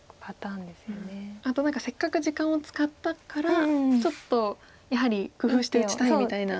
あとせっかく時間を使ったからちょっとやはり工夫して打ちたいみたいな。